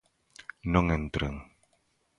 Non entren.